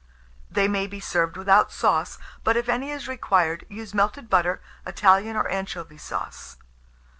They may be served without sauce; but if any is required, use melted butter, Italian or anchovy sauce.